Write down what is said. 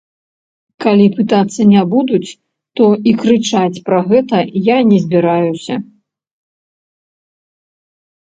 Калі пытацца не будуць, то і крычаць пра гэта я не збіраюся.